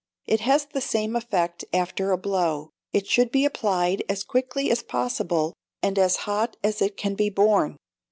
It has the same effect after a blow. It should be applied as quickly as possible, and as hot as it can be borne.